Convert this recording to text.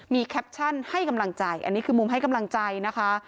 มีแคปชั่นให้กำลังใจอันนี้คือมุมให้กำลังใจนะคะ